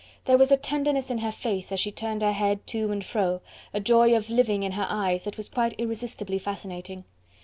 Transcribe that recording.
There was a tenderness in her face as she turned her head to and fro, a joy of living in her eyes that was quite irresistibly fascinating.